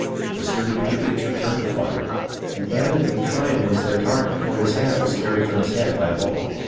The sturdy patriots returned the fire, and evidently Tryon was their target, for his hat was carried from his head by a ball.